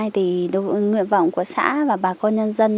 thì đối với nguyện vọng của xã và bà con nhân dân